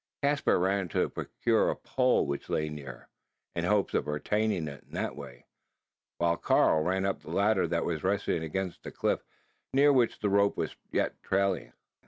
Caspar ran to procure a pole which lay near, in hopes of retaining it in that way: while Karl ran up the ladder that was resting against the cliff, near which the rope was yet trailing.